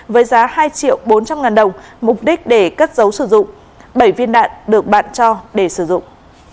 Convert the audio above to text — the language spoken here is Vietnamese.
với giá hai triệu bốn trăm linh ngàn đồng mục đích để cất dấu sử dụng bảy viên đạn được bạn cho để sử dụng